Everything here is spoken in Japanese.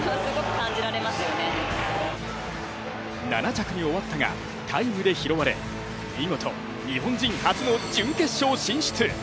７着に終わったが、タイムで拾われ、見事、日本人初の準決勝進出。